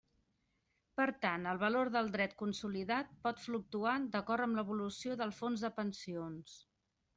Per tant, el valor del dret consolidat pot fluctuar d'acord amb l'evolució del Fons de Pensions.